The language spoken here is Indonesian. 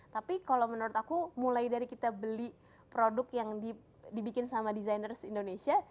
tapi kalau menurut aku mulai dari kita beli produk yang dibikin sama desainers indonesia